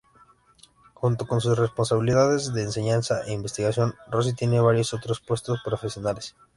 Junto con sus responsabilidades de enseñanza e investigación, Rossi tiene varios otros puestos profesionales.